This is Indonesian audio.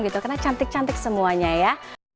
karena cantik cantik semuanya ya